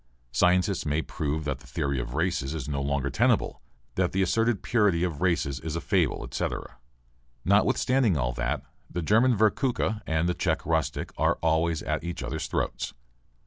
Scientists may prove that the theory of races is no longer tenable, that the asserted purity of races is a fable, etc. Notwithstanding all that, the German Workurka and the Czech rustic are always at each other's throats.